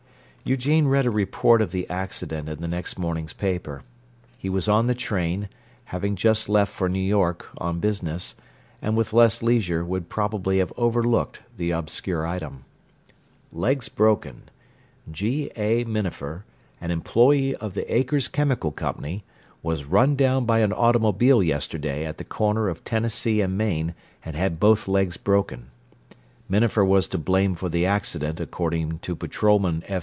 Eugene read a report of the accident in the next morning's paper. He was on the train, having just left for New York, on business, and with less leisure would probably have overlooked the obscure item: LEGS BROKEN G. A. Minafer, an employee of the Akers Chemical Co., was run down by an automobile yesterday at the corner of Tennessee and Main and had both legs broken. Minafer was to blame for the accident according to patrolman F.